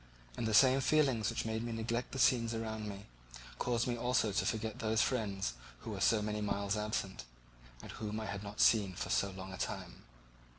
And the same feelings which made me neglect the scenes around me caused me also to forget those friends who were so many miles absent, and whom I had not seen for so long a time.